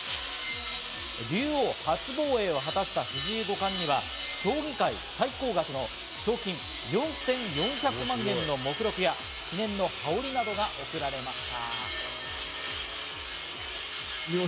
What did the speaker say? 竜王初防衛を果たした藤井五冠には将棋界最高額の賞金４４００万円の目録や、記念の羽織などが贈られました。